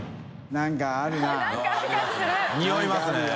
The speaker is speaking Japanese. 何かあるよ。